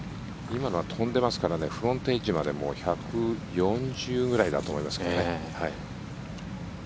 今のは飛んでますからねフロントエッジまで１４０ぐらいだと思いますね。